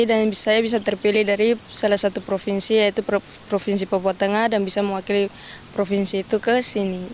dan saya bisa terpilih dari salah satu provinsi yaitu provinsi papua tengah dan bisa mewakili provinsi itu ke sini